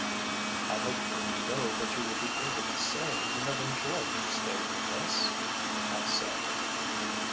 "I hope when you go that you will be able to say you have enjoyed your stay with us?" I said.